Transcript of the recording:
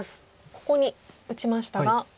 ここに打ちましたが。